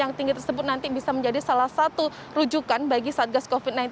yang tinggi tersebut nanti bisa menjadi salah satu rujukan bagi satgas covid sembilan belas